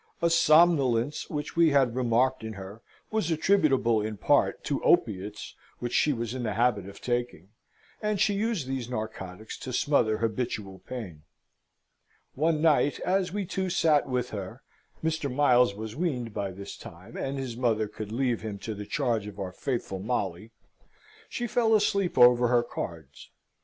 A somnolence, which we had remarked in her, was attributable in part to opiates which she was in the habit of taking; and she used these narcotics to smother habitual pain. One night, as we two sat with her (Mr. Miles was weaned by this time, and his mother could leave him to the charge of our faithful Molly), she fell asleep over her cards.